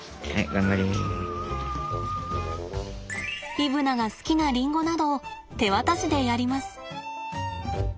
イブナが好きなリンゴなどを手渡しでやります。